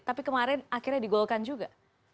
tapi kemarin akhirnya digolkan juga